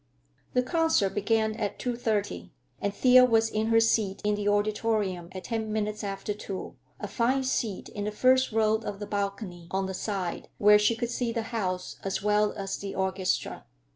The concert began at two thirty, and Thea was in her seat in the Auditorium at ten minutes after two—a fine seat in the first row of the balcony, on the side, where she could see the house as well as the orchestra.